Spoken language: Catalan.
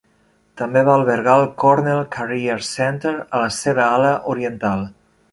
També va albergar el Cornell Career Center a la seva ala oriental.